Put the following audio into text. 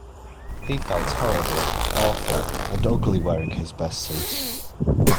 He felt horrible, awful, and ugly wearing his best suit.